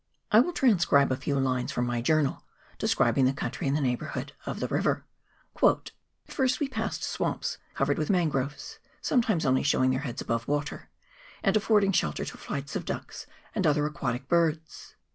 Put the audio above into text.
I will transcribe a few lines from my journal describing the country in the neighbourhood of the river :" At first we passed swamps covered with mangroves, sometimes only showing their heads above water, and affording shelter to flights of ducks and other aquatic birds.